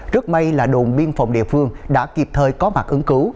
rất may là đồn biên phòng địa phương đã kịp thời có mặt ứng cứu